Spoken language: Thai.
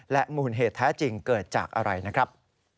มูลเหตุแท้จริงเกิดจากอะไรนะครับ